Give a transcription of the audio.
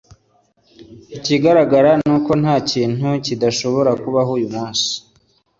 Ikigaragara ni uko nta kintu kidashobora kubaho uyu munsi